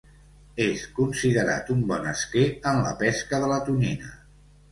És considerat un bon esquer en la pesca de la tonyina.